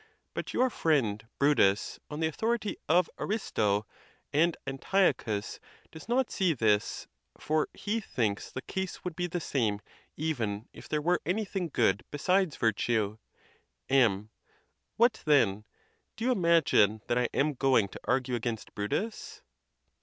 But your friend Brutus, on the authority of Aristo and Antiochus, does not see this; for he thinks the case would be the same even if there were anything good besides virtue. M. What, then? do you imagine that I am going to argue against. Brutus